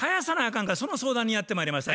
かんかその相談にやってまいりました。